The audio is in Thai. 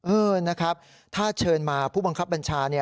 เออนะครับถ้าเชิญมาผู้บังคับบัญชา